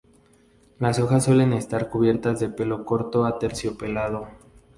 Las hojas suelen estar cubiertas de pelo corto aterciopelado.